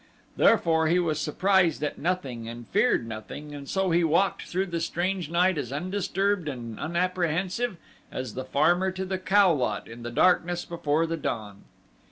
Therefore he was surprised at nothing and feared nothing and so he walked through the strange night as undisturbed and unapprehensive as the farmer to the cow lot in the darkness before the dawn.